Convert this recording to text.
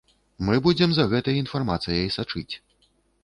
Мы будзем за гэтай інфармацыяй сачыць.